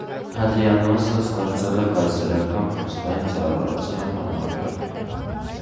Հադրիանոսը ստեղծել է կայսերական փոստային ծառայության համակարգը։